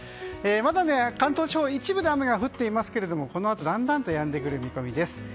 まだ関東地方一部で雨が降っていますがこのあとだんだんとやんでくる見込みです。